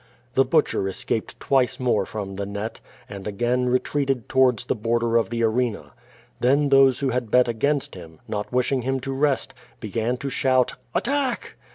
The liutcher escaped twice more from xjie net, and again re treated towards the border of the arena. Then those who had bet against him, not wishing him to rest, began to shout, "at tack!"